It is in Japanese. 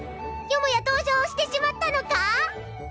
よもや同情をしてしまったのか？